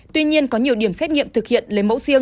tuy nhiên có nhiều điểm xét nghiệm thực hiện lấy mẫu riêng